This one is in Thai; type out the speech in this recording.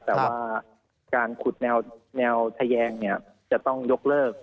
แต่ว่าการขุดแนวทะแยงจะต้องยกเลิก